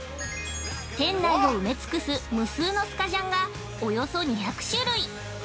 ◆店内を埋め尽くす無数のスカジャンがおよそ２００種類。